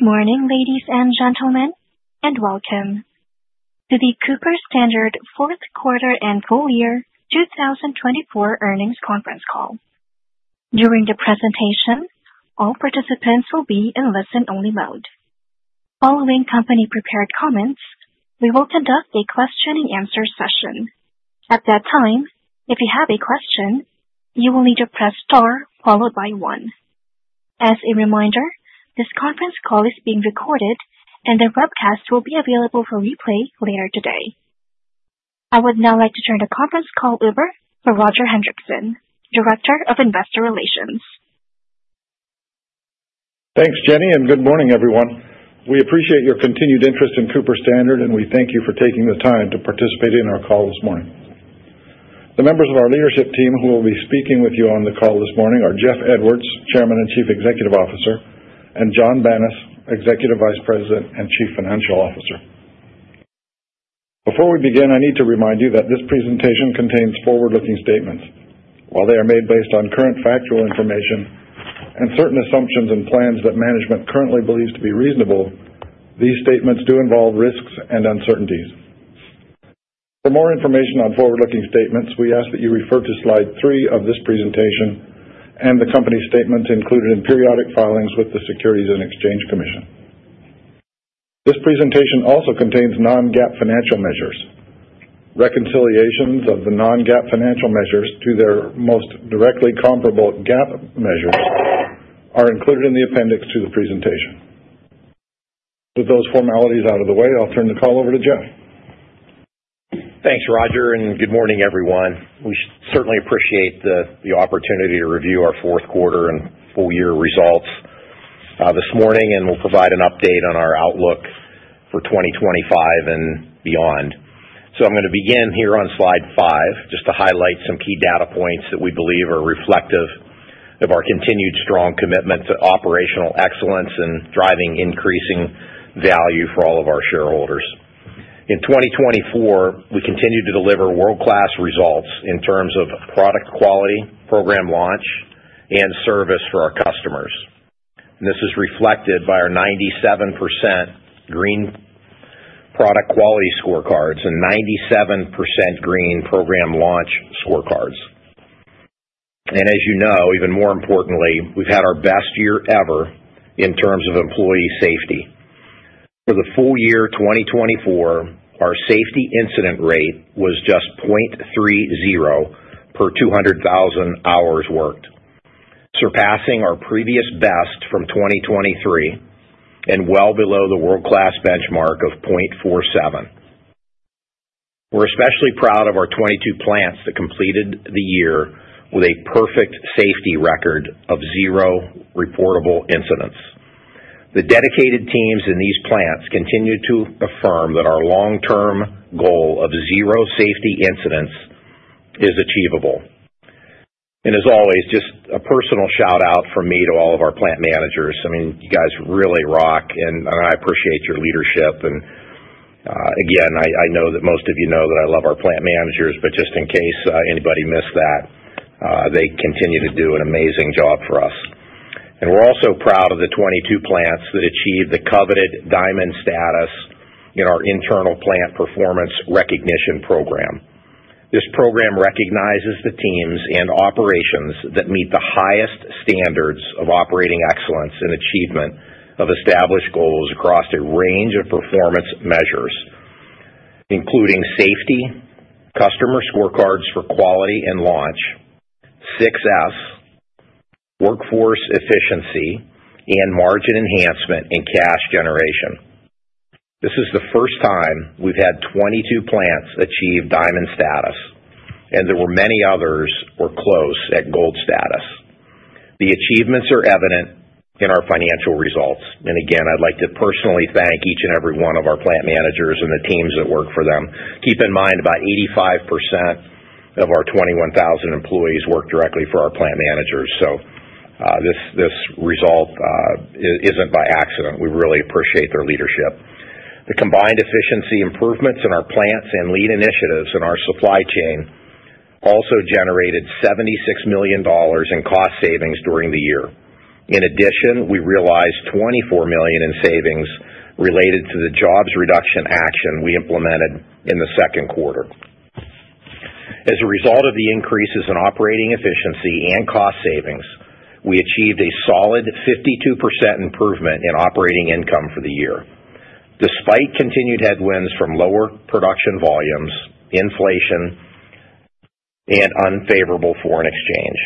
Good morning, ladies and gentlemen, and welcome to the Cooper-Standard fourth quarter and full year 2024 earnings conference call. During the presentation, all participants will be in listen-only mode. Following company-prepared comments, we will conduct a question-and-answer session. At that time, if you have a question, you will need to press star followed by one. As a reminder, this conference call is being recorded, and the webcast will be available for replay later today. I would now like to turn the conference call over to Roger Hendriksen, Director of Investor Relations. Thanks, Jenny, and good morning, everyone. We appreciate your continued interest in Cooper-Standard, and we thank you for taking the time to participate in our call this morning. The members of our leadership team who will be speaking with you on the call this morning are Jeff Edwards, Chairman and Chief Executive Officer, and Jon Banas, Executive Vice President and Chief Financial Officer. Before we begin, I need to remind you that this presentation contains forward-looking statements. While they are made based on current factual information and certain assumptions and plans that management currently believes to be reasonable, these statements do involve risks and uncertainties. For more information on forward-looking statements, we ask that you refer to slide three of this presentation and the company statements included in periodic filings with the Securities and Exchange Commission. This presentation also contains non-GAAP financial measures. Reconciliations of the non-GAAP financial measures to their most directly comparable GAAP measures are included in the appendix to the presentation. With those formalities out of the way, I'll turn the call over to Jeff. Thanks, Roger, and good morning, everyone. We certainly appreciate the opportunity to review our fourth quarter and full year results this morning and will provide an update on our outlook for 2025 and beyond. So I'm going to begin here on slide five just to highlight some key data points that we believe are reflective of our continued strong commitment to operational excellence and driving increasing value for all of our shareholders. In 2024, we continue to deliver world-class results in terms of product quality, program launch, and service for our customers. This is reflected by our 97% green product quality scorecards and 97% green program launch scorecards. And as you know, even more importantly, we've had our best year ever in terms of employee safety. For the full year 2024, our safety incident rate was just 0.30 per 200,000 hours worked, surpassing our previous best from 2023 and well below the world-class benchmark of 0.47. We're especially proud of our 22 plants that completed the year with a perfect safety record of zero reportable incidents. The dedicated teams in these plants continue to affirm that our long-term goal of zero safety incidents is achievable, and as always, just a personal shout-out from me to all of our plant managers. I mean, you guys really rock, and I appreciate your leadership, and again, I know that most of you know that I love our plant managers, but just in case anybody missed that, they continue to do an amazing job for us, and we're also proud of the 22 plants that achieved the coveted Diamond Status in our internal plant performance recognition program. This program recognizes the teams and operations that meet the highest standards of operating excellence and achievement of established goals across a range of performance measures, including safety, customer scorecards for quality and launch, 6S, workforce efficiency, and margin enhancement in cash generation. This is the first time we've had 22 plants achieve Diamond Status, and there were many others or close at Gold Status. The achievements are evident in our financial results. And again, I'd like to personally thank each and every one of our plant managers and the teams that work for them. Keep in mind, about 85% of our 21,000 employees work directly for our plant managers. So this result isn't by accident. We really appreciate their leadership. The combined efficiency improvements in our plants and lean initiatives in our supply chain also generated $76 million in cost savings during the year. In addition, we realized $24 million in savings related to the jobs reduction action we implemented in the second quarter. As a result of the increases in operating efficiency and cost savings, we achieved a solid 52% improvement in operating income for the year, despite continued headwinds from lower production volumes, inflation, and unfavorable foreign exchange.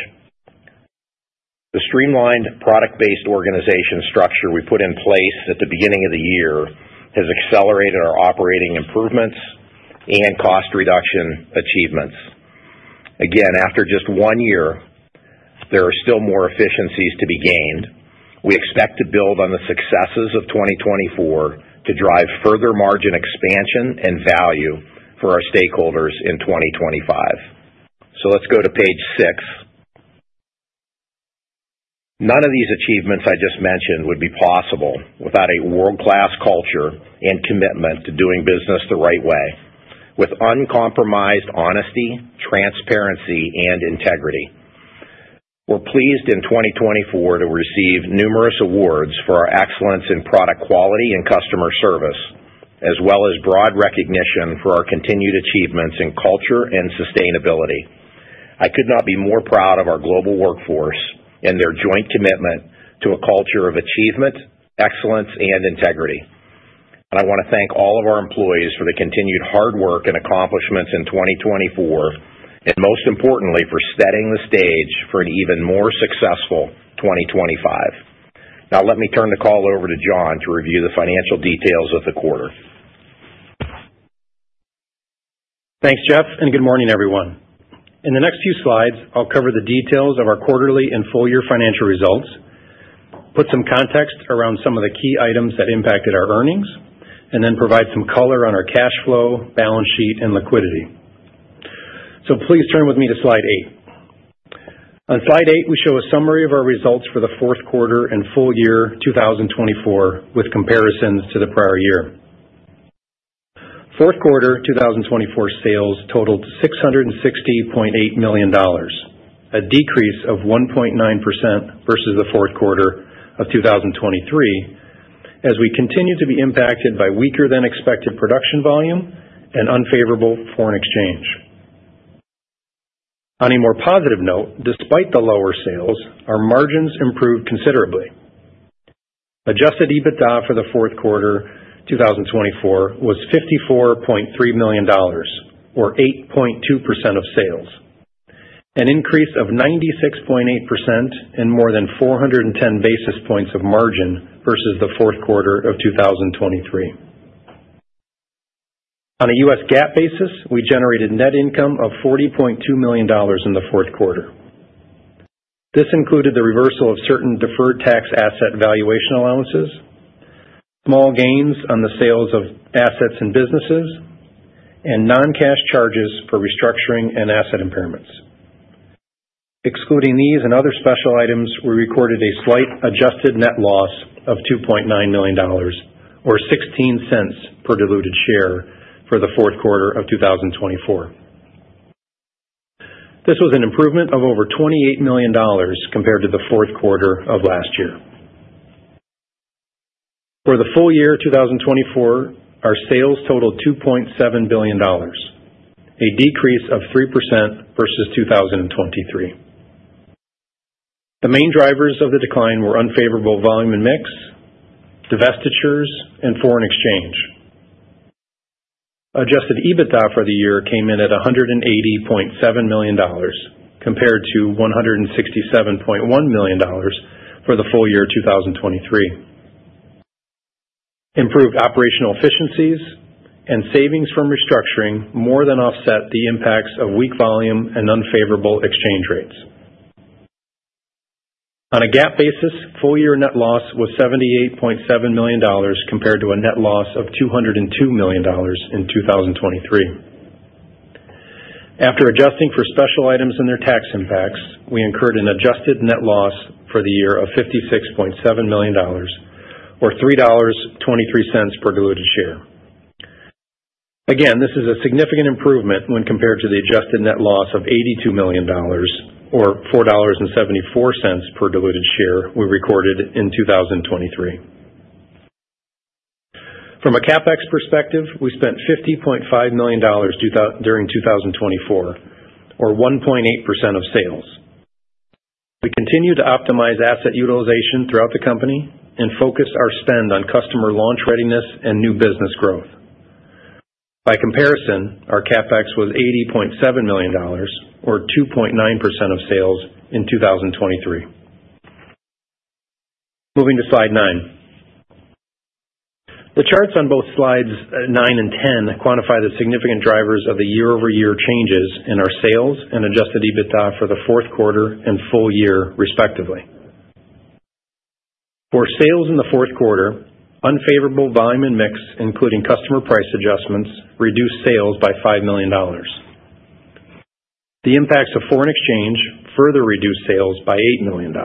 The streamlined product-based organization structure we put in place at the beginning of the year has accelerated our operating improvements and cost reduction achievements. Again, after just one year, there are still more efficiencies to be gained. We expect to build on the successes of 2024 to drive further margin expansion and value for our stakeholders in 2025. So let's go to page six. None of these achievements I just mentioned would be possible without a world-class culture and commitment to doing business the right way, with uncompromised honesty, transparency, and integrity. We're pleased in 2024 to receive numerous awards for our excellence in product quality and customer service, as well as broad recognition for our continued achievements in culture and sustainability. I could not be more proud of our global workforce and their joint commitment to a culture of achievement, excellence, and integrity. And I want to thank all of our employees for the continued hard work and accomplishments in 2024, and most importantly, for setting the stage for an even more successful 2025. Now, let me turn the call over to Jon to review the financial details of the quarter. Thanks, Jeff, and good morning, everyone. In the next few slides, I'll cover the details of our quarterly and full year financial results, put some context around some of the key items that impacted our earnings, and then provide some color on our cash flow, balance sheet, and liquidity. So please turn with me to slide eight. On slide eight, we show a summary of our results for the fourth quarter and full year 2024 with comparisons to the prior year. Fourth quarter 2024 sales totaled $660.8 million, a decrease of 1.9% versus the fourth quarter of 2023, as we continue to be impacted by weaker-than-expected production volume and unfavorable foreign exchange. On a more positive note, despite the lower sales, our margins improved considerably. Adjusted EBITDA for the fourth quarter 2024 was $54.3 million, or 8.2% of sales, an increase of 96.8% and more than 410 basis points of margin versus the fourth quarter of 2023. On a U.S. GAAP basis, we generated net income of $40.2 million in the fourth quarter. This included the reversal of certain deferred tax asset valuation allowances, small gains on the sales of assets and businesses, and non-cash charges for restructuring and asset impairments. Excluding these and other special items, we recorded a slight adjusted net loss of $2.9 million, or $0.16 per diluted share for the fourth quarter of 2024. This was an improvement of over $28 million compared to the fourth quarter of last year. For the full year 2024, our sales totaled $2.7 billion, a decrease of 3% versus 2023. The main drivers of the decline were unfavorable volume and mix, divestitures, and foreign exchange. Adjusted EBITDA for the year came in at $180.7 million compared to $167.1 million for the full year 2023. Improved operational efficiencies and savings from restructuring more than offset the impacts of weak volume and unfavorable exchange rates. On a GAAP basis, full year net loss was $78.7 million compared to a net loss of $202 million in 2023. After adjusting for special items and their tax impacts, we incurred an adjusted net loss for the year of $56.7 million, or $3.23 per diluted share. Again, this is a significant improvement when compared to the adjusted net loss of $82 million, or $4.74 per diluted share we recorded in 2023. From a CapEx perspective, we spent $50.5 million during 2024, or 1.8% of sales. We continue to optimize asset utilization throughout the company and focus our spend on customer launch readiness and new business growth. By comparison, our CapEx was $80.7 million, or 2.9% of sales in 2023. Moving to slide nine. The charts on both slides nine and ten quantify the significant drivers of the year-over-year changes in our sales and adjusted EBITDA for the fourth quarter and full year, respectively. For sales in the fourth quarter, unfavorable volume and mix, including customer price adjustments, reduced sales by $5 million. The impacts of foreign exchange further reduced sales by $8 million.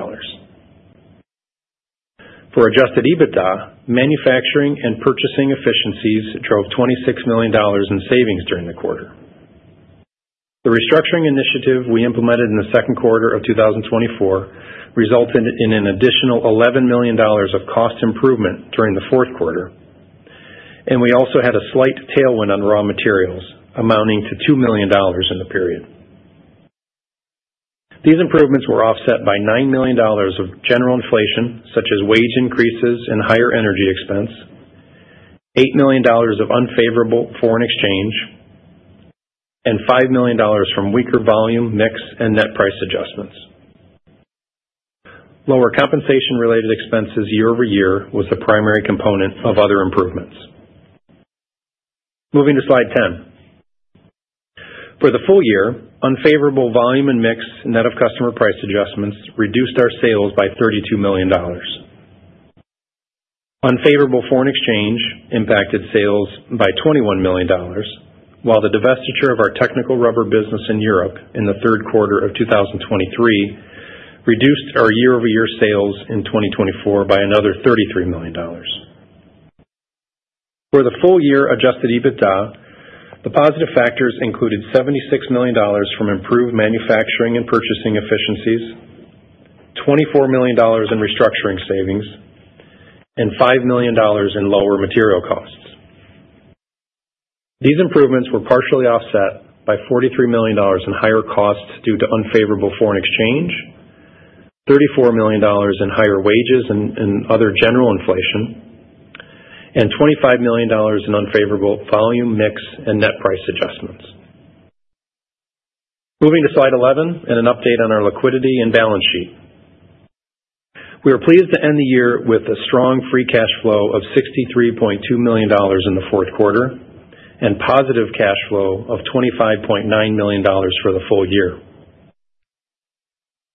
For adjusted EBITDA, manufacturing and purchasing efficiencies drove $26 million in savings during the quarter. The restructuring initiative we implemented in the second quarter of 2024 resulted in an additional $11 million of cost improvement during the fourth quarter, and we also had a slight tailwind on raw materials amounting to $2 million in the period. These improvements were offset by $9 million of general inflation, such as wage increases and higher energy expense, $8 million of unfavorable foreign exchange, and $5 million from weaker volume, mix, and net price adjustments. Lower compensation-related expenses year over year was the primary component of other improvements. Moving to slide ten. For the full year, unfavorable volume and mix net of customer price adjustments reduced our sales by $32 million. Unfavorable foreign exchange impacted sales by $21 million, while the divestiture of our technical rubber business in Europe in the third quarter of 2023 reduced our year-over-year sales in 2024 by another $33 million. For the full year Adjusted EBITDA, the positive factors included $76 million from improved manufacturing and purchasing efficiencies, $24 million in restructuring savings, and $5 million in lower material costs. These improvements were partially offset by $43 million in higher costs due to unfavorable foreign exchange, $34 million in higher wages and other general inflation, and $25 million in unfavorable volume, mix, and net price adjustments. Moving to slide eleven and an update on our liquidity and balance sheet. We are pleased to end the year with a strong free cash flow of $63.2 million in the fourth quarter and positive cash flow of $25.9 million for the full year.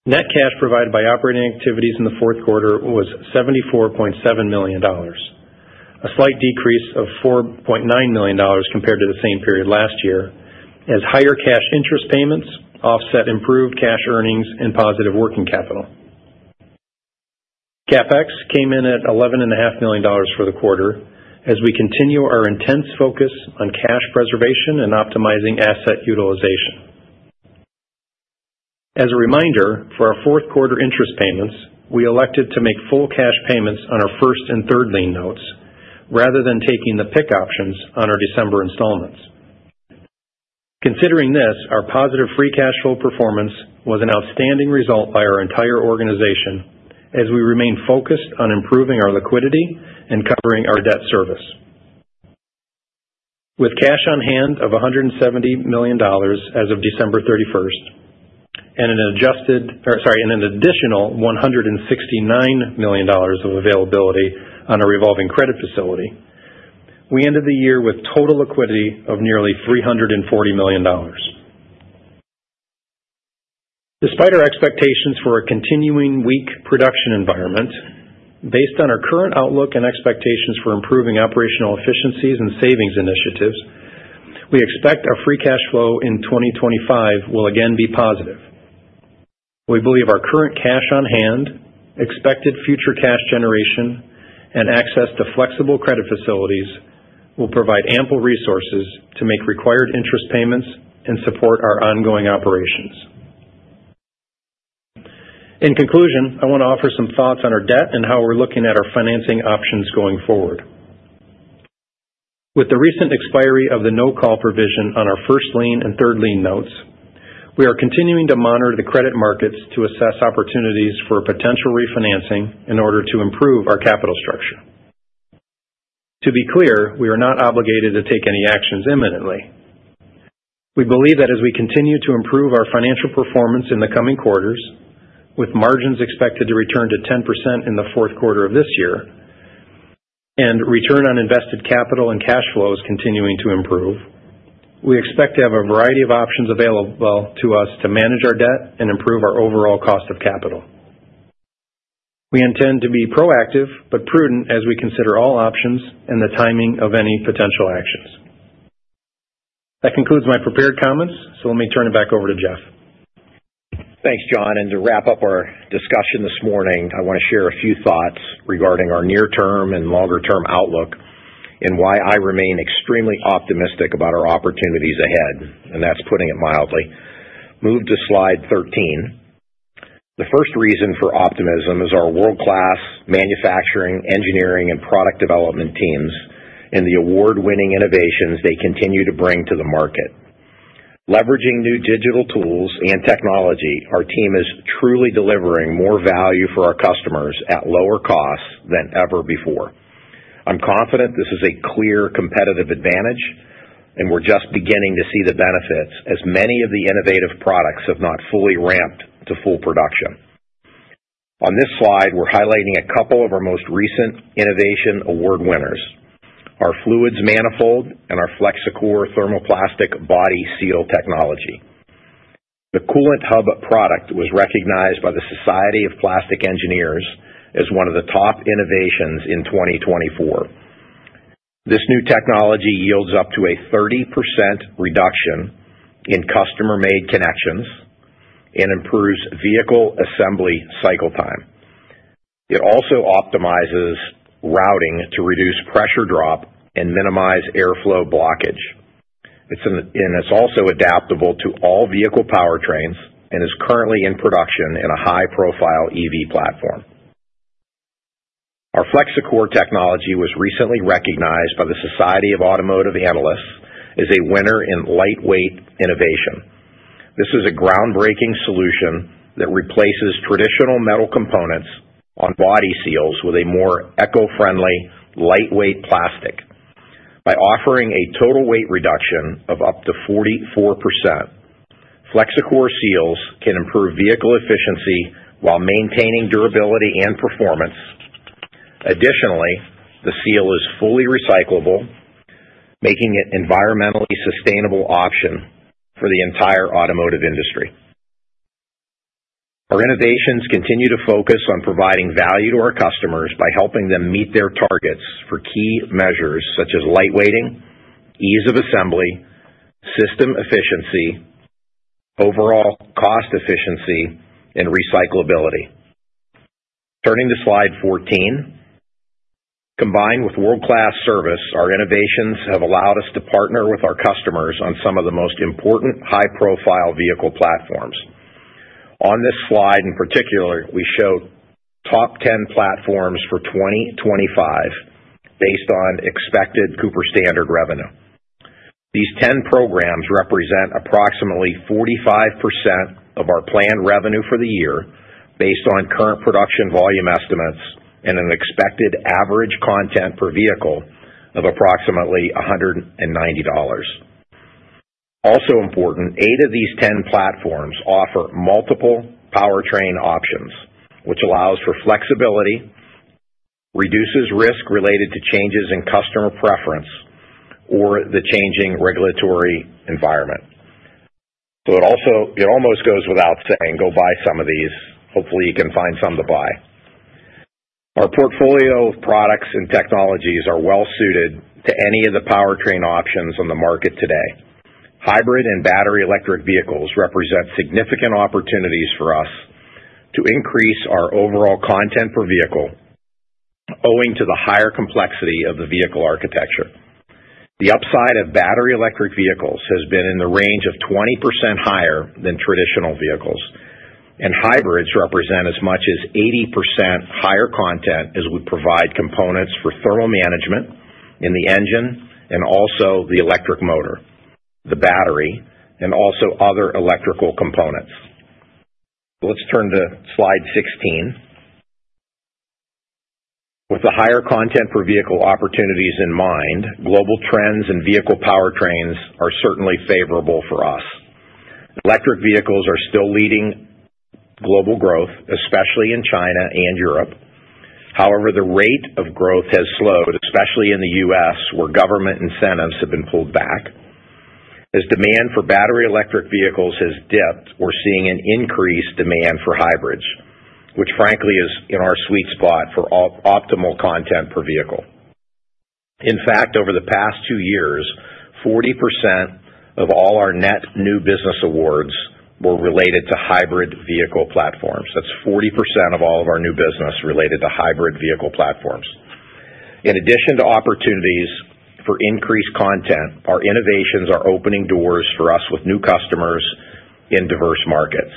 Net cash provided by operating activities in the fourth quarter was $74.7 million, a slight decrease of $4.9 million compared to the same period last year, as higher cash interest payments offset improved cash earnings and positive working capital. CapEx came in at $11.5 million for the quarter as we continue our intense focus on cash preservation and optimizing asset utilization. As a reminder, for our fourth quarter interest payments, we elected to make full cash payments on our first and third lien notes rather than taking the PIK options on our December installments. Considering this, our positive free cash flow performance was an outstanding result by our entire organization as we remain focused on improving our liquidity and covering our debt service. With cash on hand of $170 million as of December 31st and an additional $169 million of availability on a revolving credit facility, we ended the year with total liquidity of nearly $340 million. Despite our expectations for a continuing weak production environment, based on our current outlook and expectations for improving operational efficiencies and savings initiatives, we expect our free cash flow in 2025 will again be positive. We believe our current cash on hand, expected future cash generation, and access to flexible credit facilities will provide ample resources to make required interest payments and support our ongoing operations. In conclusion, I want to offer some thoughts on our debt and how we're looking at our financing options going forward. With the recent expiry of the no-call provision on our first lien and third lien notes, we are continuing to monitor the credit markets to assess opportunities for potential refinancing in order to improve our capital structure. To be clear, we are not obligated to take any actions imminently. We believe that as we continue to improve our financial performance in the coming quarters, with margins expected to return to 10% in the fourth quarter of this year and return on invested capital and cash flows continuing to improve, we expect to have a variety of options available to us to manage our debt and improve our overall cost of capital. We intend to be proactive but prudent as we consider all options and the timing of any potential actions. That concludes my prepared comments, so let me turn it back over to Jeff. Thanks, Jon. And to wrap up our discussion this morning, I want to share a few thoughts regarding our near-term and longer-term outlook and why I remain extremely optimistic about our opportunities ahead, and that's putting it mildly. Move to slide thirteen. The first reason for optimism is our world-class manufacturing, engineering, and product development teams and the award-winning innovations they continue to bring to the market. Leveraging new digital tools and technology, our team is truly delivering more value for our customers at lower costs than ever before. I'm confident this is a clear competitive advantage, and we're just beginning to see the benefits as many of the innovative products have not fully ramped to full production. On this slide, we're highlighting a couple of our most recent innovation award winners: our fluids manifold and our FlexiCor thermoplastic body seal technology. The Coolant Hub product was recognized by the Society of Plastics Engineers as one of the top innovations in 2024. This new technology yields up to a 30% reduction in customer-made connections and improves vehicle assembly cycle time. It also optimizes routing to reduce pressure drop and minimize airflow blockage. It's also adaptable to all vehicle powertrains and is currently in production in a high-profile EV platform. Our FlexiCor technology was recently recognized by the Society of Automotive Analysts as a winner in lightweight innovation. This is a groundbreaking solution that replaces traditional metal components on body seals with a more eco-friendly, lightweight plastic. By offering a total weight reduction of up to 44%, FlexiCor seals can improve vehicle efficiency while maintaining durability and performance. Additionally, the seal is fully recyclable, making it an environmentally sustainable option for the entire automotive industry. Our innovations continue to focus on providing value to our customers by helping them meet their targets for key measures such as lightweighting, ease of assembly, system efficiency, overall cost efficiency, and recyclability. Turning to slide fourteen, combined with world-class service, our innovations have allowed us to partner with our customers on some of the most important high-profile vehicle platforms. On this slide in particular, we show top 10 platforms for 2025 based on expected Cooper-Standard revenue. These 10 programs represent approximately 45% of our planned revenue for the year based on current production volume estimates and an expected average content per vehicle of approximately $190. Also important, eight of these 10 platforms offer multiple powertrain options, which allows for flexibility, reduces risk related to changes in customer preference, or the changing regulatory environment. So it almost goes without saying, go buy some of these. Hopefully, you can find some to buy. Our portfolio of products and technologies are well-suited to any of the powertrain options on the market today. Hybrid and battery electric vehicles represent significant opportunities for us to increase our overall content per vehicle, owing to the higher complexity of the vehicle architecture. The upside of battery electric vehicles has been in the range of 20% higher than traditional vehicles, and hybrids represent as much as 80% higher content as we provide components for thermal management in the engine and also the electric motor, the battery, and also other electrical components. Let's turn to slide 16. With the higher content per vehicle opportunities in mind, global trends in vehicle powertrains are certainly favorable for us. Electric vehicles are still leading global growth, especially in China and Europe. However, the rate of growth has slowed, especially in the U.S., where government incentives have been pulled back. As demand for battery electric vehicles has dipped, we're seeing an increased demand for hybrids, which frankly is in our sweet spot for optimal content per vehicle. In fact, over the past two years, 40% of all our net new business awards were related to hybrid vehicle platforms. That's 40% of all of our new business related to hybrid vehicle platforms. In addition to opportunities for increased content, our innovations are opening doors for us with new customers in diverse markets.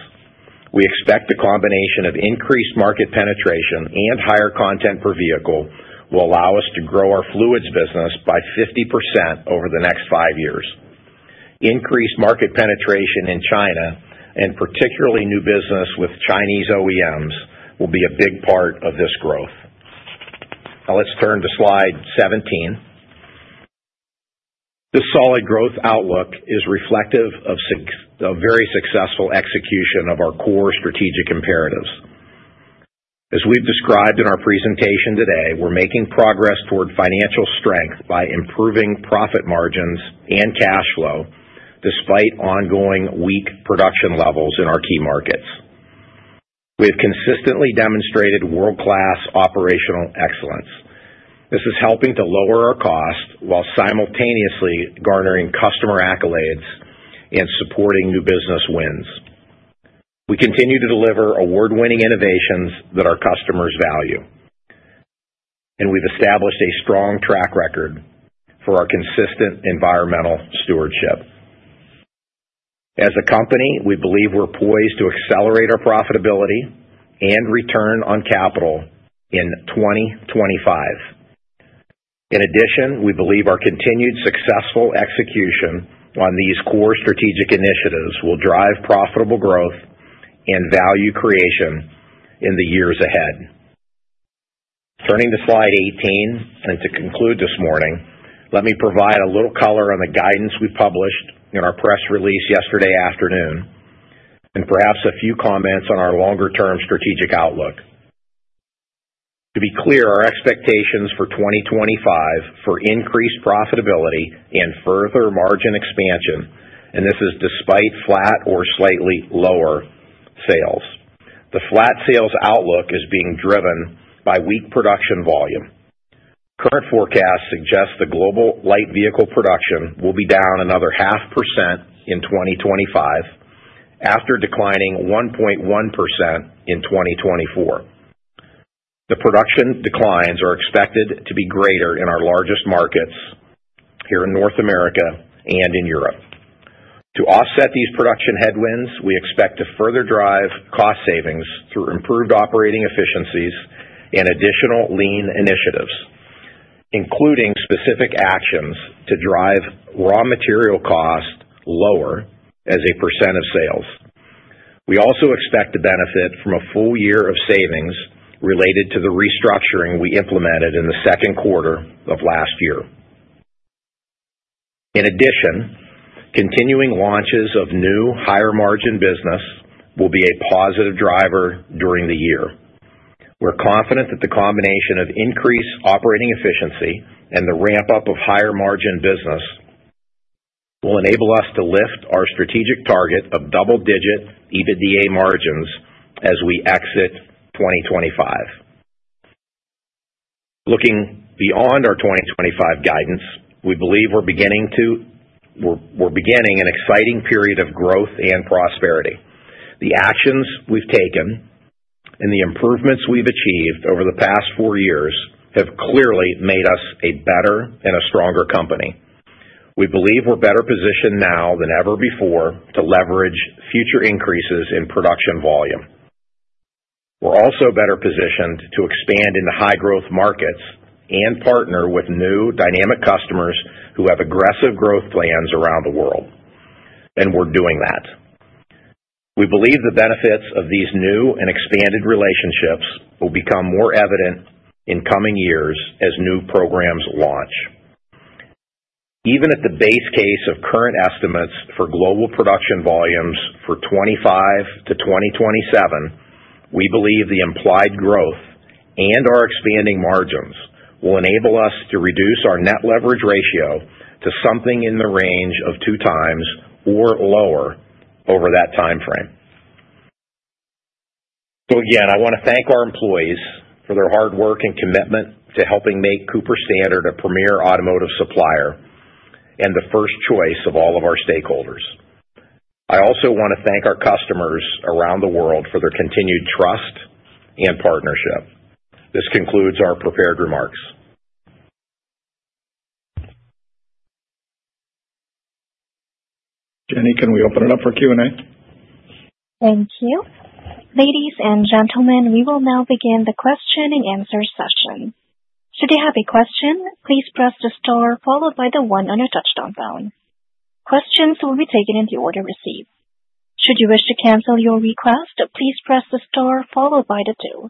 We expect the combination of increased market penetration and higher content per vehicle will allow us to grow our fluids business by 50% over the next five years. Increased market penetration in China, and particularly new business with Chinese OEMs, will be a big part of this growth. Now let's turn to slide 17. This solid growth outlook is reflective of very successful execution of our core strategic imperatives. As we've described in our presentation today, we're making progress toward financial strength by improving profit margins and cash flow despite ongoing weak production levels in our key markets. We have consistently demonstrated world-class operational excellence. This is helping to lower our costs while simultaneously garnering customer accolades and supporting new business wins. We continue to deliver award-winning innovations that our customers value, and we've established a strong track record for our consistent environmental stewardship. As a company, we believe we're poised to accelerate our profitability and return on capital in 2025. In addition, we believe our continued successful execution on these core strategic initiatives will drive profitable growth and value creation in the years ahead. Turning to slide eighteen, and to conclude this morning, let me provide a little color on the guidance we published in our press release yesterday afternoon and perhaps a few comments on our longer-term strategic outlook. To be clear, our expectations for 2025 for increased profitability and further margin expansion, and this is despite flat or slightly lower sales. The flat sales outlook is being driven by weak production volume. Current forecasts suggest the global light vehicle production will be down another 0.5% in 2025 after declining 1.1% in 2024. The production declines are expected to be greater in our largest markets here in North America and in Europe. To offset these production headwinds, we expect to further drive cost savings through improved operating efficiencies and additional lean initiatives, including specific actions to drive raw material costs lower as a % of sales. We also expect to benefit from a full year of savings related to the restructuring we implemented in the second quarter of last year. In addition, continuing launches of new higher-margin business will be a positive driver during the year. We're confident that the combination of increased operating efficiency and the ramp-up of higher-margin business will enable us to lift our strategic target of double-digit EBITDA margins as we exit 2025. Looking beyond our 2025 guidance, we believe we're beginning an exciting period of growth and prosperity. The actions we've taken and the improvements we've achieved over the past four years have clearly made us a better and a stronger company. We believe we're better positioned now than ever before to leverage future increases in production volume. We're also better positioned to expand into high-growth markets and partner with new, dynamic customers who have aggressive growth plans around the world, and we're doing that. We believe the benefits of these new and expanded relationships will become more evident in coming years as new programs launch. Even at the base case of current estimates for global production volumes for 2025 to 2027, we believe the implied growth and our expanding margins will enable us to reduce our net leverage ratio to something in the range of two times or lower over that timeframe. So again, I want to thank our employees for their hard work and commitment to helping make Cooper-Standard a premier automotive supplier and the first choice of all of our stakeholders. I also want to thank our customers around the world for their continued trust and partnership. This concludes our prepared remarks. Jenny, can we open it up for Q&A? Thank you. Ladies and gentlemen, we will now begin the question-and-answer session. Should you have a question, please press the star followed by the one on your touch-tone phone. Questions will be taken in the order received. Should you wish to cancel your request, please press the star followed by the two.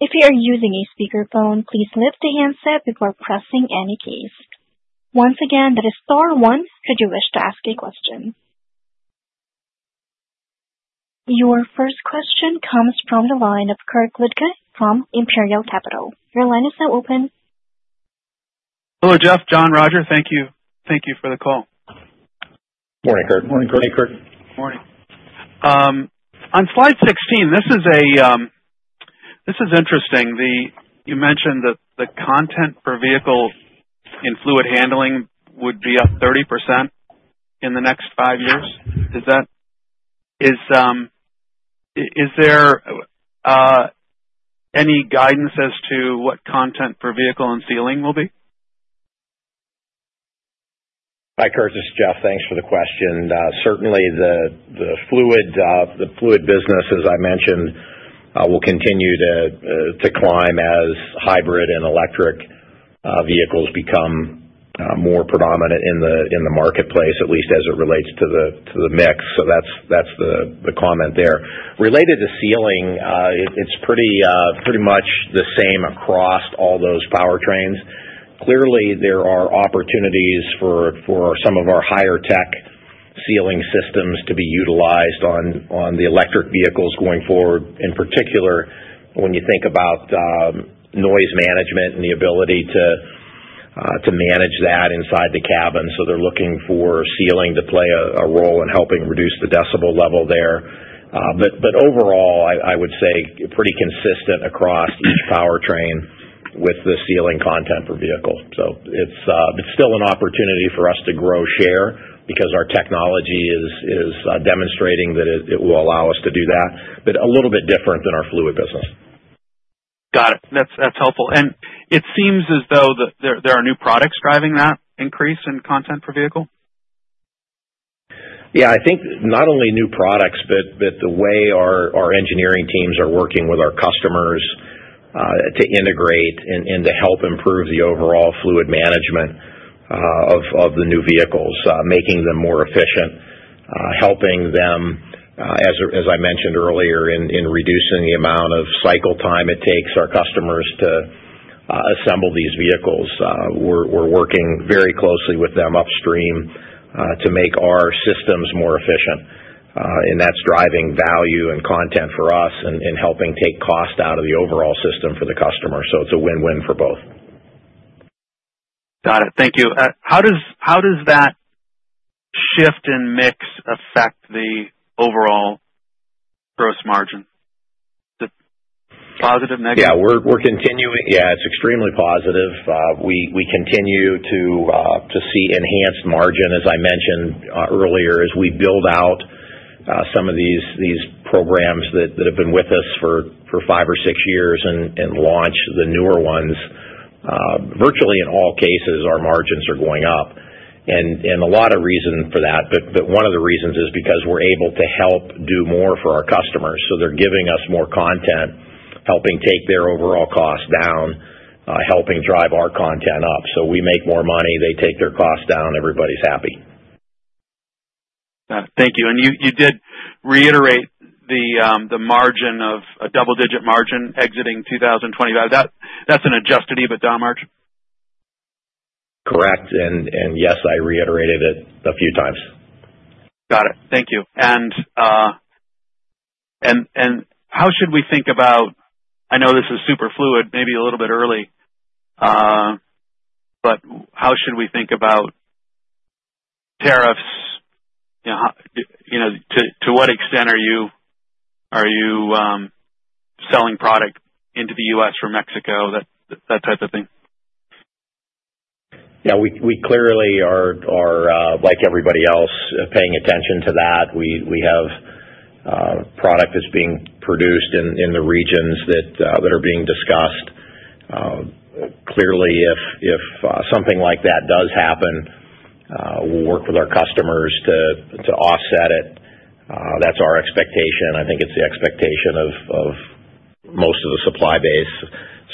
If you are using a speakerphone, please lift the handset before pressing any keys. Once again, that is star one. Should you wish to ask a question, your first question comes from the line of Kirk Ludtke from Imperial Capital. Your line is now open. Hello, Jeff. Jon, Roger, thank you. Thank you for the call. Morning, Kirk. Morning, Kirk. Morning. On slide 16, this is interesting. You mentioned that the content per vehicle in fluid handling would be up 30% in the next five years. Is there any guidance as to what content per vehicle and sealing will be? Hi, Kirk. This is Jeff. Thanks for the question. Certainly, the fluid business, as I mentioned, will continue to climb as hybrid and electric vehicles become more predominant in the marketplace, at least as it relates to the mix. So that's the comment there. Related to sealing, it's pretty much the same across all those powertrains. Clearly, there are opportunities for some of our higher-tech sealing systems to be utilized on the electric vehicles going forward, in particular when you think about noise management and the ability to manage that inside the cabin. So they're looking for sealing to play a role in helping reduce the decibel level there. But overall, I would say pretty consistent across each powertrain with the sealing content per vehicle. So it's still an opportunity for us to grow share because our technology is demonstrating that it will allow us to do that, but a little bit different than our fluid business. Got it. That's helpful. And it seems as though there are new products driving that increase in content per vehicle. Yeah. I think not only new products, but the way our engineering teams are working with our customers to integrate and to help improve the overall fluid management of the new vehicles, making them more efficient, helping them, as I mentioned earlier, in reducing the amount of cycle time it takes our customers to assemble these vehicles. We're working very closely with them upstream to make our systems more efficient, and that's driving value and content for us and helping take cost out of the overall system for the customer. So it's a win-win for both. Got it. Thank you. How does that shift in mix affect the overall gross margin? Positive, negative? Yeah. We're continuing. Yeah. It's extremely positive. We continue to see enhanced margin, as I mentioned earlier, as we build out some of these programs that have been with us for five or six years and launch the newer ones. Virtually in all cases, our margins are going up, and a lot of reason for that. But one of the reasons is because we're able to help do more for our customers. So they're giving us more content, helping take their overall cost down, helping drive our content up. So we make more money, they take their cost down, everybody's happy. Thank you. And you did reiterate the margin of a double-digit margin exiting 2025. That's an Adjusted EBITDA margin. Correct. And yes, I reiterated it a few times. Got it. Thank you. And how should we think about, I know this is super fluid, maybe a little bit early, but how should we think about tariffs? To what extent are you selling product into the U.S. or Mexico, that type of thing? Yeah. We clearly are, like everybody else, paying attention to that. We have product that's being produced in the regions that are being discussed. Clearly, if something like that does happen, we'll work with our customers to offset it. That's our expectation. I think it's the expectation of most of the supply base.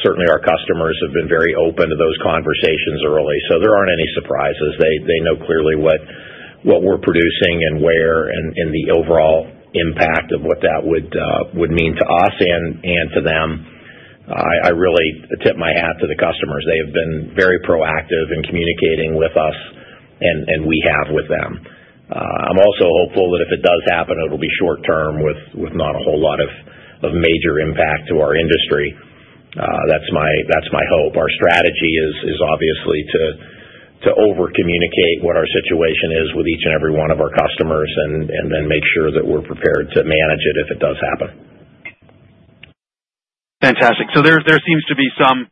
Certainly, our customers have been very open to those conversations early, so there aren't any surprises. They know clearly what we're producing and where and the overall impact of what that would mean to us and to them. I really tip my hat to the customers. They have been very proactive in communicating with us, and we have with them. I'm also hopeful that if it does happen, it'll be short-term with not a whole lot of major impact to our industry. That's my hope. Our strategy is obviously to over-communicate what our situation is with each and every one of our customers and then make sure that we're prepared to manage it if it does happen. Fantastic. So there seems to be some,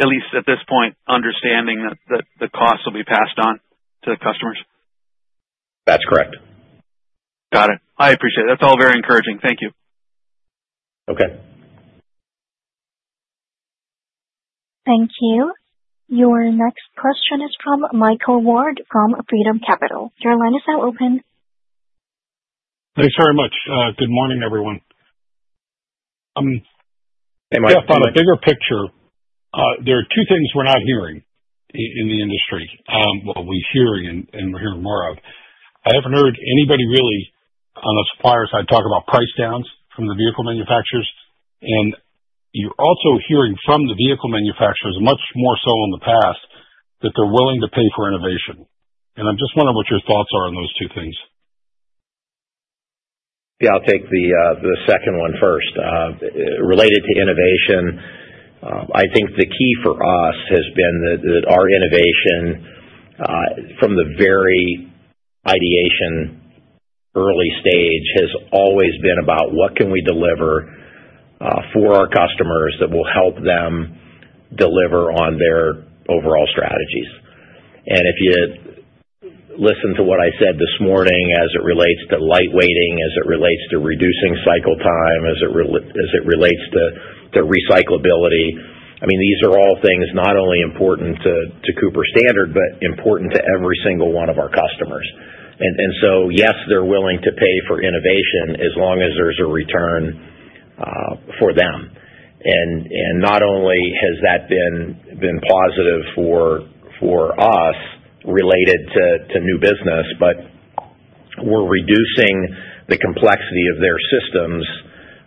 at least at this point, understanding that the costs will be passed on to the customers. That's correct. Got it. I appreciate it. That's all very encouraging. Thank you. Okay. Thank you. Your next question is from Michael Ward from Freedom Capital. Your line is now open. Thanks very much. Good morning, everyone. Hey, Mike. Jeff. On a bigger picture, there are two things we're not hearing in the industry. Well, we hear, and we're hearing more of. I haven't heard anybody really on the supplier side talk about price downs from the vehicle manufacturers. And you're also hearing from the vehicle manufacturers, much more so in the past, that they're willing to pay for innovation. And I'm just wondering what your thoughts are on those two things. Yeah. I'll take the second one first. Related to innovation, I think the key for us has been that our innovation from the very ideation early stage has always been about what can we deliver for our customers that will help them deliver on their overall strategies. And if you listen to what I said this morning as it relates to lightweighting, as it relates to reducing cycle time, as it relates to recyclability, I mean, these are all things not only important to Cooper-Standard but important to every single one of our customers. And so yes, they're willing to pay for innovation as long as there's a return for them. And not only has that been positive for us related to new business, but we're reducing the complexity of their systems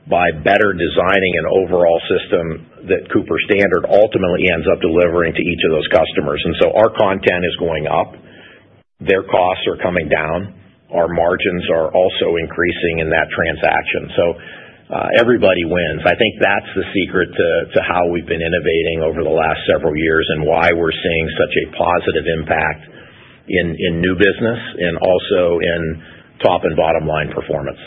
by better designing an overall system that Cooper-Standard ultimately ends up delivering to each of those customers. And so our content is going up, their costs are coming down, our margins are also increasing in that transaction. So everybody wins. I think that's the secret to how we've been innovating over the last several years and why we're seeing such a positive impact in new business and also in top and bottom line performance.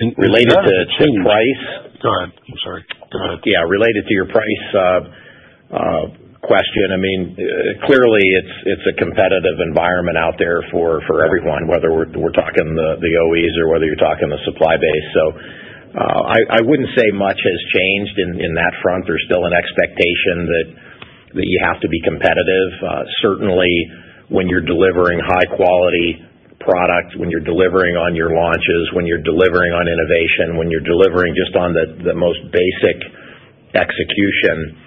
Related to price. Go ahead. I'm sorry. Go ahead. Yeah. Related to your price question, I mean, clearly it's a competitive environment out there for everyone, whether we're talking the OEs or whether you're talking the supply base. So I wouldn't say much has changed in that front. There's still an expectation that you have to be competitive. Certainly, when you're delivering high-quality product, when you're delivering on your launches, when you're delivering on innovation, when you're delivering just on the most basic execution,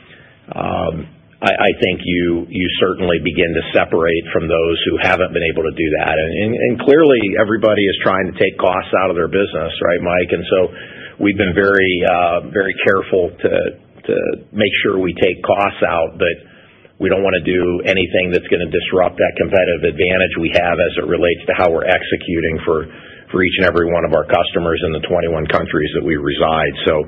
I think you certainly begin to separate from those who haven't been able to do that. And clearly, everybody is trying to take costs out of their business, right, Mike? And so we've been very careful to make sure we take costs out, but we don't want to do anything that's going to disrupt that competitive advantage we have as it relates to how we're executing for each and every one of our customers in the 21 countries that we reside. So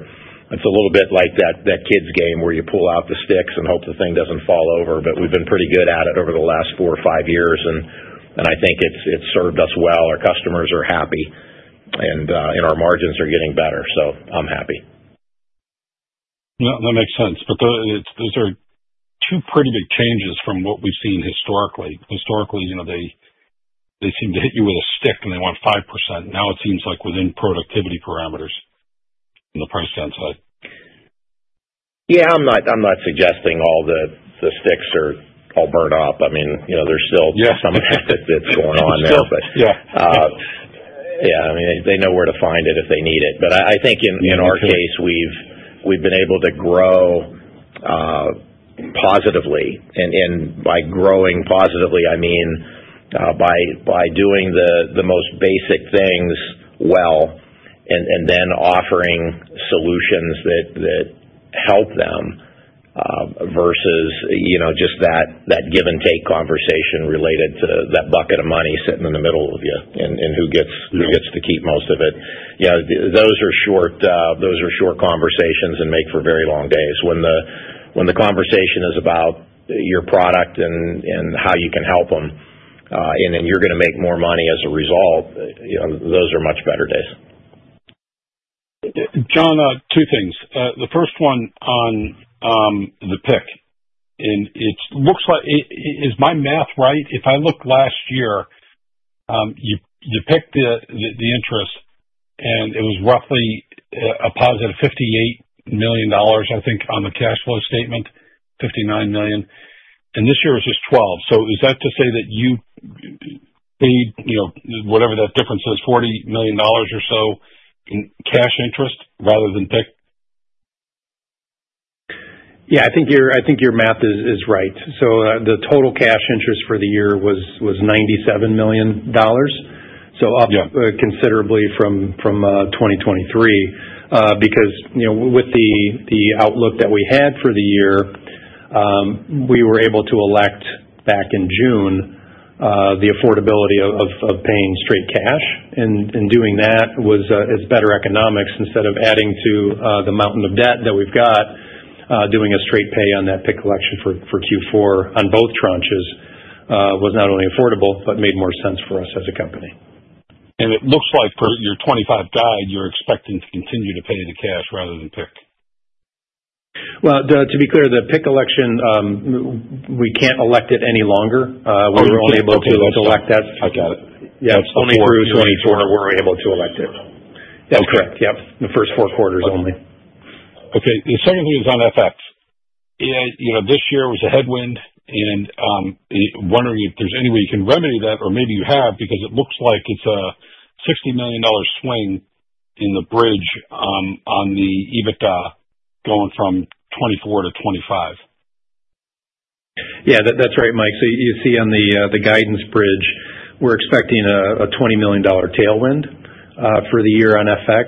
it's a little bit like that kid's game where you pull out the sticks and hope the thing doesn't fall over, but we've been pretty good at it over the last four or five years, and I think it's served us well. Our customers are happy, and our margins are getting better, so I'm happy. Yeah. That makes sense. But those are two pretty big changes from what we've seen historically. Historically, they seemed to hit you with a stick, and they went 5%. Now it seems like within productivity parameters on the price downside. Yeah. I'm not suggesting all the sticks are all burned up. I mean, there's still some of that that's going on now, but. Yeah. Sure. Yeah. Yeah. I mean, they know where to find it if they need it. But I think in our case, we've been able to grow positively. And by growing positively, I mean by doing the most basic things well and then offering solutions that help them versus just that give-and-take conversation related to that bucket of money sitting in the middle of you and who gets to keep most of it. Yeah. Those are short conversations and make for very long days. When the conversation is about your product and how you can help them and then you're going to make more money as a result, those are much better days. Jon, two things. The first one on the PIK. And it looks like, is my math right? If I looked last year, you picked the interest, and it was roughly a positive $58 million, I think, on the cash flow statement, $59 million. And this year it was just 12. So is that to say that you paid whatever that difference is, $40 million or so in cash interest rather than PIK? Yeah. I think your math is right. So the total cash interest for the year was $97 million, so up considerably from 2023. Because with the outlook that we had for the year, we were able to elect back in June the affordability of paying straight cash. And doing that was better economics instead of adding to the mountain of debt that we've got. Doing a straight pay on that PIK election for Q4 on both tranches was not only affordable but made more sense for us as a company. It looks like for your 25 guide, you're expecting to continue to pay the cash rather than pick. To be clear, the PIK election, we can't elect it any longer. We were only able to elect that. I got it. Yeah. It's only through 2024 we're able to elect it. That's correct. Yep. The first four quarters only. Okay. The second thing is on FX. This year was a headwind, and wondering if there's any way you can remedy that or maybe you have because it looks like it's a $60 million swing in the bridge on the EBITDA going from 2024 to 2025? Yeah. That's right, Mike. So you see on the guidance bridge, we're expecting a $20 million tailwind for the year on FX.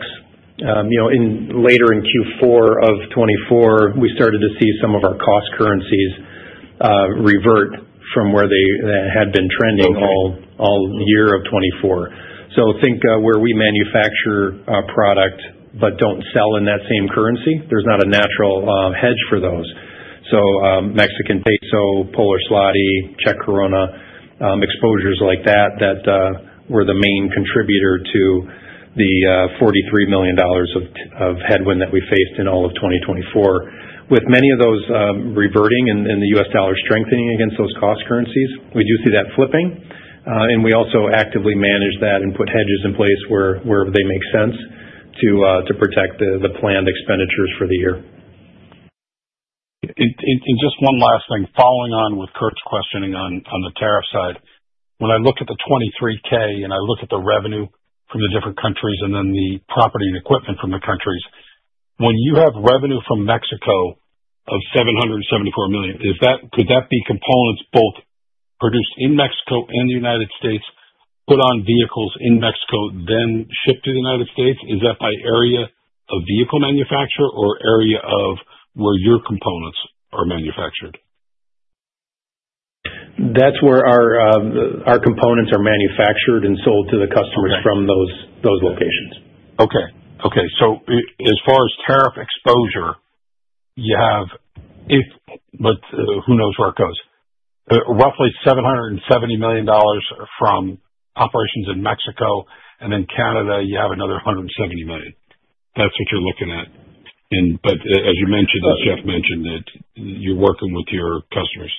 Later in Q4 of 2024, we started to see some of our cost currencies revert from where they had been trending all year of 2024. So think where we manufacture our product but don't sell in that same currency. There's not a natural hedge for those. So Mexican peso, Polish zloty, Czech koruna, exposures like that that were the main contributor to the $43 million of headwind that we faced in all of 2024. With many of those reverting and the U.S. dollar strengthening against those cost currencies, we do see that flipping. And we also actively manage that and put hedges in place wherever they make sense to protect the planned expenditures for the year. Just one last thing. Following on with Kirk's questioning on the tariff side, when I look at the 23K and I look at the revenue from the different countries and then the property and equipment from the countries, when you have revenue from Mexico of $774 million, could that be components both produced in Mexico and the United States, put on vehicles in Mexico, then shipped to the United States? Is that by area of vehicle manufacture or area of where your components are manufactured? That's where our components are manufactured and sold to the customers from those locations. Okay. Okay. So as far as tariff exposure, you have, but who knows where it goes, roughly $770 million from operations in Mexico. And in Canada, you have another $170 million. That's what you're looking at. But as you mentioned, as Jeff mentioned, that you're working with your customers.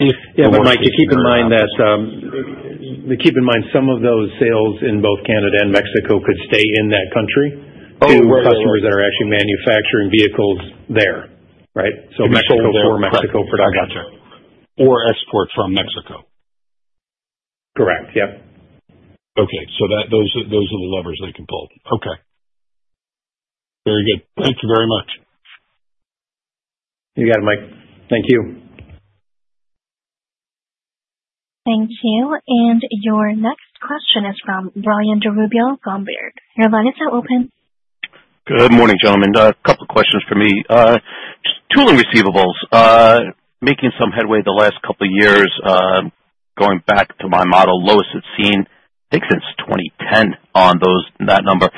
Yeah. But Mike, you keep in mind that some of those sales in both Canada and Mexico could stay in that country to customers that are actually manufacturing vehicles there, right? So Mexico or Mexico production. Gotcha. Or export from Mexico. Correct. Yep. Okay. So those are the levers they can pull. Okay. Very good. Thank you very much. You got it, Mike. Thank you. Thank you. Your next question is from Brian DiRubio. Your line is now open. Good morning, gentlemen. A couple of questions for me. Tooling receivables, making some headway the last couple of years, going back to my model, lowest it's seen, I think since 2010 on that number.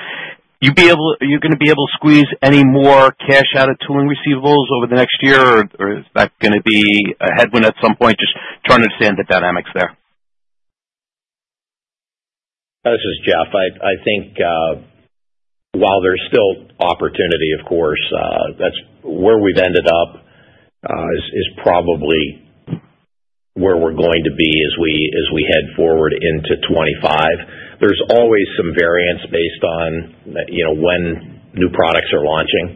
You're going to be able to squeeze any more cash out of tooling receivables over the next year, or is that going to be a headwind at some point? Just trying to understand the dynamics there. This is Jeff. I think while there's still opportunity, of course, where we've ended up is probably where we're going to be as we head forward into 2025. There's always some variance based on when new products are launching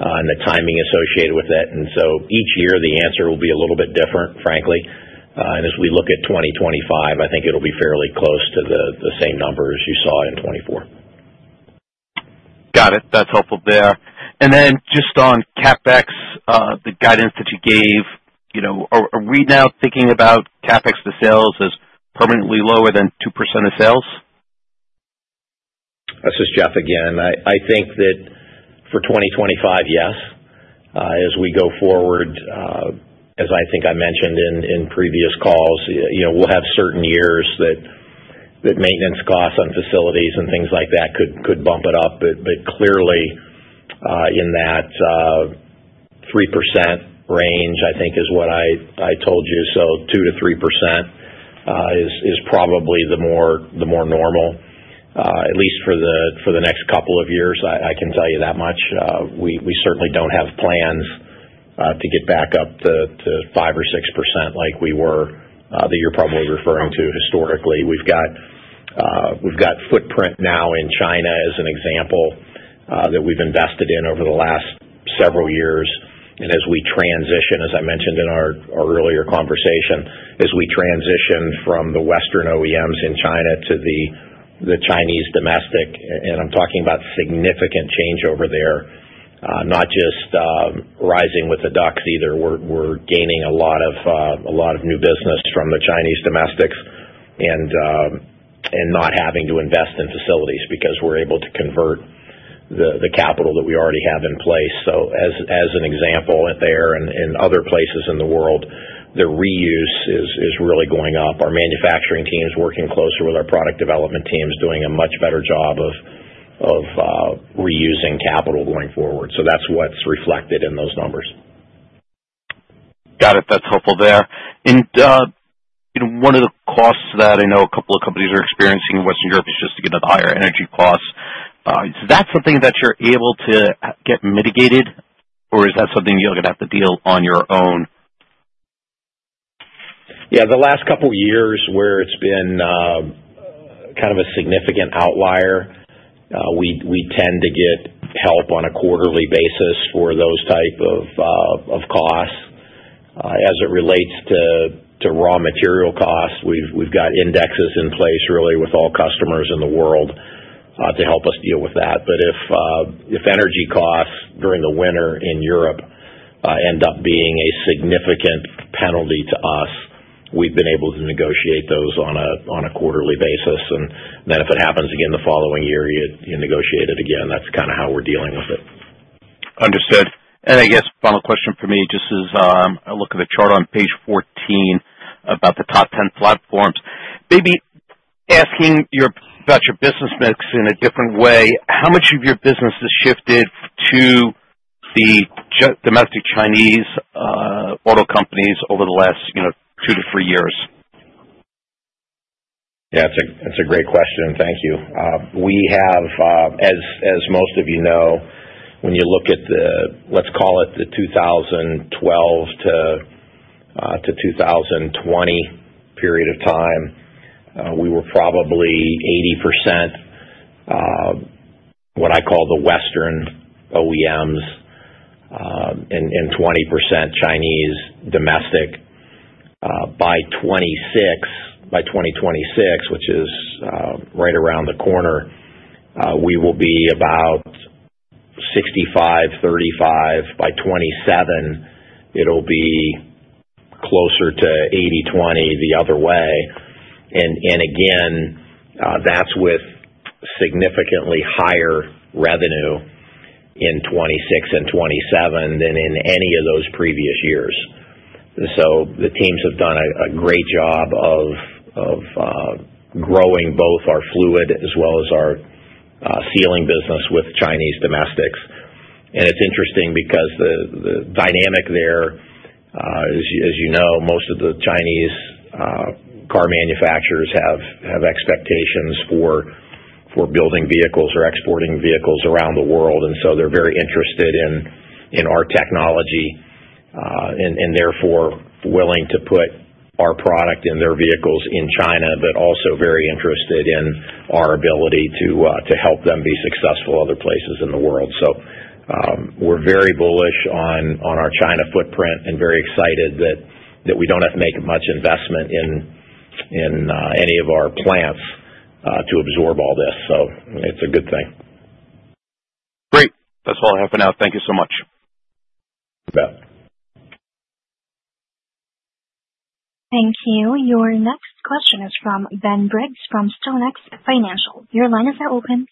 and the timing associated with it. And so each year, the answer will be a little bit different, frankly. And as we look at 2025, I think it'll be fairly close to the same numbers you saw in 2024. Got it. That's helpful there. And then just on CapEx, the guidance that you gave, are we now thinking about CapEx to sales as permanently lower than 2% of sales? This is Jeff again. I think that for 2025, yes. As we go forward, as I think I mentioned in previous calls, we'll have certain years that maintenance costs on facilities and things like that could bump it up. But clearly, in that 3% range, I think, is what I told you. So 2%-3% is probably the more normal, at least for the next couple of years. I can tell you that much. We certainly don't have plans to get back up to 5% or 6% like we were that you're probably referring to historically. We've got footprint now in China, as an example, that we've invested in over the last several years. As we transition, as I mentioned in our earlier conversation, as we transition from the Western OEMs in China to the Chinese domestic, and I'm talking about significant change over there, not just rising with the ducks either. We're gaining a lot of new business from the Chinese domestics and not having to invest in facilities because we're able to convert the capital that we already have in place. So as an example, there and in other places in the world, the reuse is really going up. Our manufacturing team is working closer with our product development teams, doing a much better job of reusing capital going forward. So that's what's reflected in those numbers. Got it. That's helpful there. And one of the costs that I know a couple of companies are experiencing in Western Europe is just to get a higher energy cost. Is that something that you're able to get mitigated, or is that something you're going to have to deal on your own? Yeah. The last couple of years where it's been kind of a significant outlier, we tend to get help on a quarterly basis for those types of costs. As it relates to raw material costs, we've got indexes in place really with all customers in the world to help us deal with that. But if energy costs during the winter in Europe end up being a significant penalty to us, we've been able to negotiate those on a quarterly basis. And then if it happens again the following year, you negotiate it again. That's kind of how we're dealing with it. Understood. And I guess final question for me, just as I look at the chart on page 14 about the top 10 platforms. Maybe asking you about your business mix in a different way, how much of your business has shifted to the domestic Chinese auto companies over the last two to three years? Yeah. That's a great question. Thank you. As most of you know, when you look at the, let's call it the 2012 to 2020 period of time, we were probably 80% what I call the Western OEMs and 20% Chinese domestic. By 2026, which is right around the corner, we will be about 65%-35%. By 2027, it'll be closer to 80%-20% the other way. And again, that's with significantly higher revenue in 2026 and 2027 than in any of those previous years. So the teams have done a great job of growing both our fluid as well as our sealing business with Chinese domestics. And it's interesting because the dynamic there, as you know, most of the Chinese car manufacturers have expectations for building vehicles or exporting vehicles around the world. And so they're very interested in our technology and therefore willing to put our product in their vehicles in China, but also very interested in our ability to help them be successful other places in the world. So we're very bullish on our China footprint and very excited that we don't have to make much investment in any of our plants to absorb all this. So it's a good thing. Great. That's all I have for now. Thank you so much. You bet. Thank you. Your next question is from Ben Briggs from StoneX Financial. Your line is now open.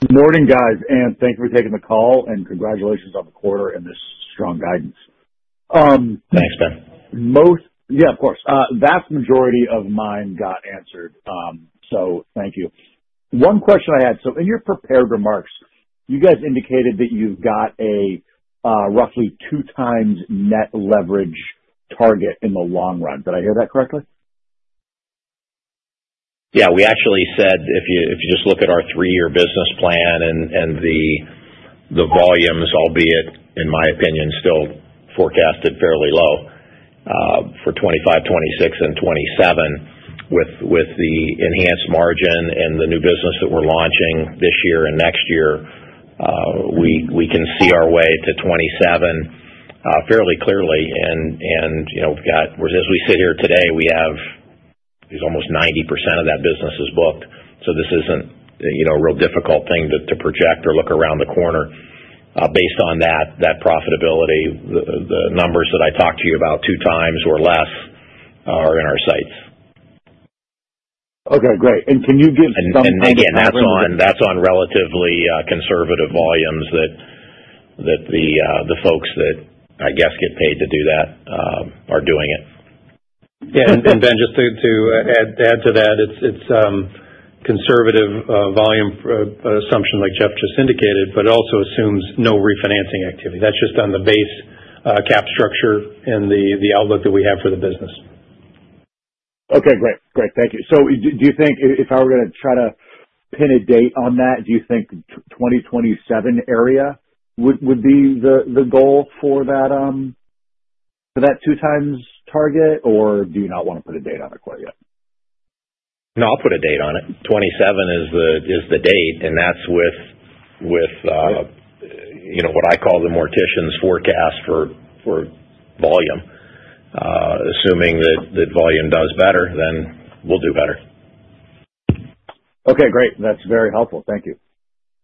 Good morning, guys, and thank you for taking the call and congratulations on the quarter and this strong guidance. Thanks, Ben. Yeah, of course. Vast majority of mine got answered, so thank you. One question I had. So in your prepared remarks, you guys indicated that you've got a roughly two-times net leverage target in the long run. Did I hear that correctly? Yeah. We actually said, if you just look at our three-year business plan and the volumes, albeit in my opinion, still forecasted fairly low for 2025, 2026, and 2027, with the enhanced margin and the new business that we're launching this year and next year, we can see our way to 2027 fairly clearly. And as we sit here today, we have almost 90% of that business is booked. So this isn't a real difficult thing to project or look around the corner. Based on that profitability, the numbers that I talked to you about, two times or less, are in our sights. Okay. Great. And can you give some? And again, that's on relatively conservative volumes that the folks that, I guess, get paid to do that are doing it. Yeah, and Ben, just to add to that, it's conservative volume assumption, like Jeff just indicated, but it also assumes no refinancing activity. That's just on the base cap structure and the outlook that we have for the business. Okay. Great. Great. Thank you, so do you think if I were going to try to pin a date on that? Do you think the 2027 area would be the goal for that two-times target, or do you not want to put a date on it quite yet? No, I'll put a date on it. 2027 is the date, and that's with what I call the mortician's forecast for volume. Assuming that volume does better, then we'll do better. Okay. Great. That's very helpful. Thank you.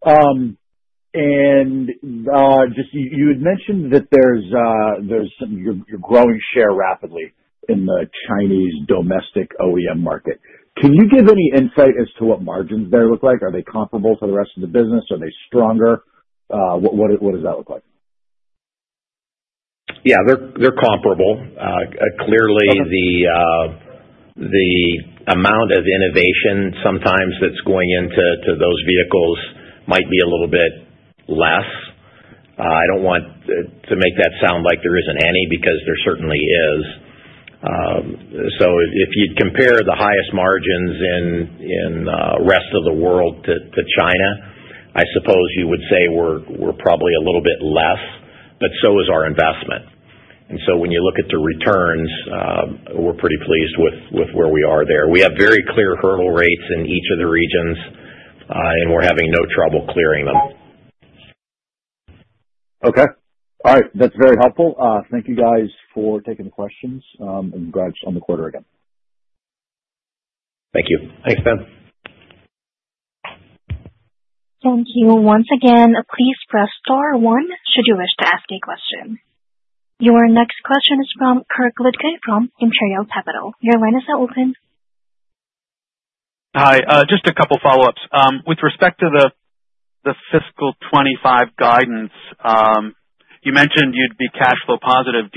And you had mentioned that you're growing share rapidly in the Chinese domestic OEM market. Can you give any insight as to what margins there look like? Are they comparable to the rest of the business? Are they stronger? What does that look like? Yeah. They're comparable. Clearly, the amount of innovation sometimes that's going into those vehicles might be a little bit less. I don't want to make that sound like there isn't any because there certainly is. So if you'd compare the highest margins in the rest of the world to China, I suppose you would say we're probably a little bit less, but so is our investment. And so when you look at the returns, we're pretty pleased with where we are there. We have very clear hurdle rates in each of the regions, and we're having no trouble clearing them. Okay. All right. That's very helpful. Thank you, guys, for taking the questions, and congrats on the quarter again. Thank you. Thanks, Ben. Thank you. Once again, please press star one should you wish to ask a question. Your next question is from Kirk Ludtke from Imperial Capital. Your line is now open. Hi. Just a couple of follow-ups. With respect to the fiscal 2025 guidance, you mentioned you'd be cash flow positive.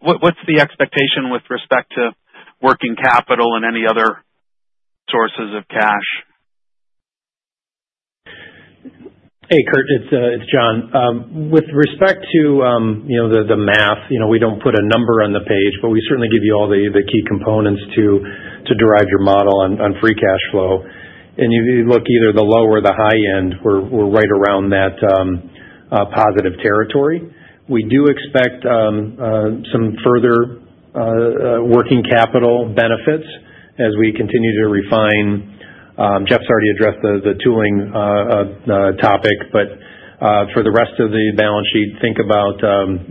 What's the expectation with respect to working capital and any other sources of cash? Hey, Kirk. It's Jon. With respect to the math, we don't put a number on the page, but we certainly give you all the key components to derive your model on free cash flow. And you look either the low or the high end. We're right around that positive territory. We do expect some further working capital benefits as we continue to refine. Jeff's already addressed the tooling topic, but for the rest of the balance sheet, think about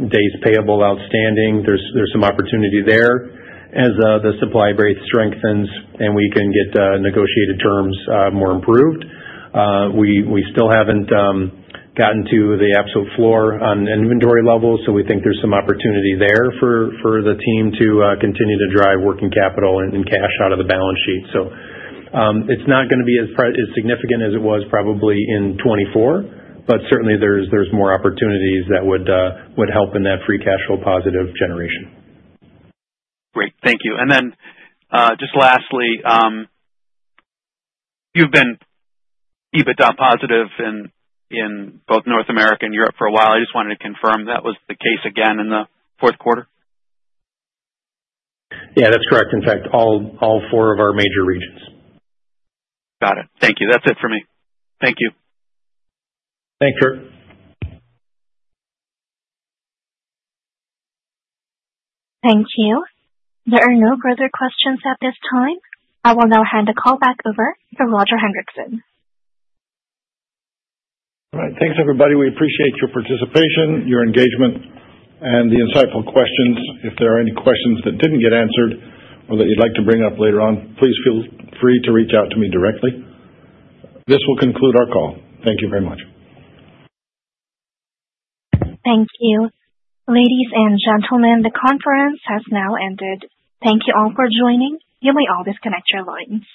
days payable outstanding. There's some opportunity there as the supply rate strengthens, and we can get negotiated terms more improved. We still haven't gotten to the absolute floor on inventory levels, so we think there's some opportunity there for the team to continue to drive working capital and cash out of the balance sheet. So it's not going to be as significant as it was probably in 2024, but certainly, there's more opportunities that would help in that free cash flow positive generation. Great. Thank you. And then just lastly, you've been EBITDA positive in both North America and Europe for a while. I just wanted to confirm that was the case again in the fourth quarter. Yeah. That's correct. In fact, all four of our major regions. Got it. Thank you. That's it for me. Thank you. Thanks, Kirk. Thank you. There are no further questions at this time. I will now hand the call back over to Roger Hendriksen. All right. Thanks, everybody. We appreciate your participation, your engagement, and the insightful questions. If there are any questions that didn't get answered or that you'd like to bring up later on, please feel free to reach out to me directly. This will conclude our call. Thank you very much. Thank you. Ladies and gentlemen, the conference has now ended. Thank you all for joining. You may always connect your lines.